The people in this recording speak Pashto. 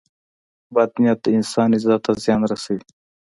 • بد نیت د انسان عزت ته زیان رسوي.